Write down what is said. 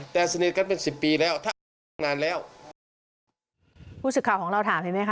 แต่เสน่หากันเป็นสิบปีแล้วถ้านานแล้วรู้สึกข่าวของเราถามเห็นไหมคะ